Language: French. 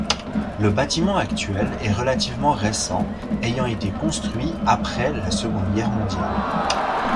Le bâtiment actuel est relativement récent, ayant été construit après la Seconde Guerre mondiale.